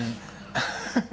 ハハハ。